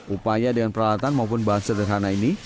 upaya dengan peralatan maupun bahan sederhana ini